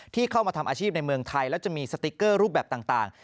ที่เข้ามาทำอาชีพในเมืองไทยแล้วจะมีสติ๊กเกอร์รูปแบบต่าง